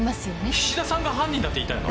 菱田さんが犯人だって言いたいの？